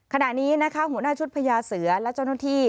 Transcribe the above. ขณะนี้นะคะหัวหน้าชุดพญาเสือและเจ้าหน้าที่